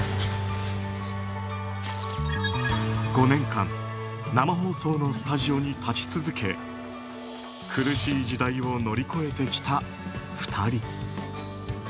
５年間生放送のスタジオに立ち続け苦しい時代を乗り越えてきた２人。